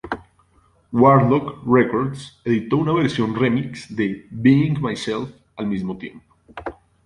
Warlock Records editó una versión remix de "Being Myself" al mismo tiempo.